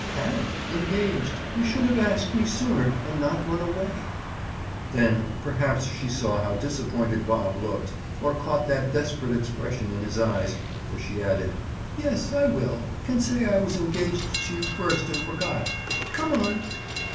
"Can't! Engaged. You should have asked me sooner and not run away." Then perhaps she saw how disappointed Bob looked or caught that desperate expression in his eyes, for she added: "Yes, I will. Can say I was engaged to you first and forgot. Come on."